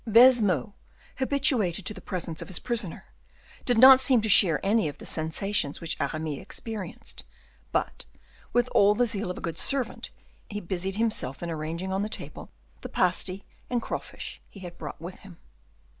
Baisemeaux, habituated to the presence of his prisoner, did not seem to share any of the sensations which Aramis experienced, but, with all the zeal of a good servant, he busied himself in arranging on the table the pasty and crawfish he had brought with him.